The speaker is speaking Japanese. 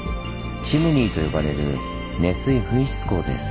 「チムニー」と呼ばれる熱水噴出孔です。